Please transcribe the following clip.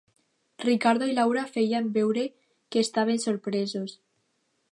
Ricardo i Laura feien veure que estaven sorpresos.